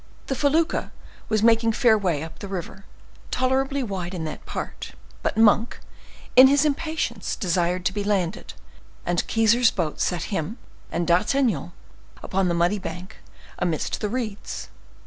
The felucca was making fair way up the river, tolerably wide in that part, but Monk, in his impatience, desired to be landed, and Keyser's boat set him and D'Artagnan upon the muddy bank, amidst the reeds.